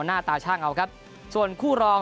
หน้าตาช่างเอาครับส่วนคู่รอง